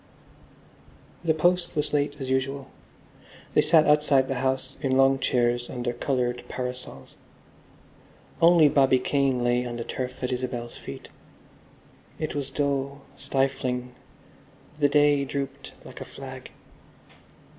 The post was late as usual. They sat outside the house in long chairs under coloured parasols. Only Bobby Kane lay on the turf at Isabel's feet. It was dull, stifling; the day drooped like a flag.